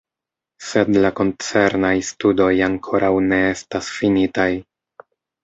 Sed la koncernaj studoj ankoraŭ ne estas finitaj.